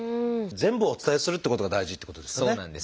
全部をお伝えするっていうことが大事っていうことですねはい。